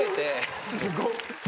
すごっ！